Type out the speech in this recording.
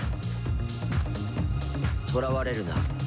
とらわれるな。